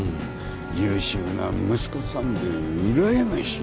優秀な息子さんで羨ましい！